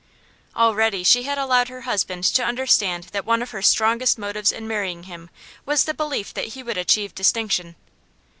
Already she had allowed her husband to understand that one of her strongest motives in marrying him was the belief that he would achieve distinction.